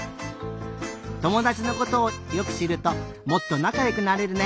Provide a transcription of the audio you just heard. ともだちのことをよくしるともっとなかよくなれるね！